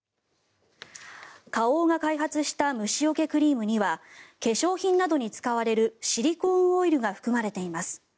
花王が開発した虫よけクリームには化粧品などに使われるシリコーンオイルが含まれています。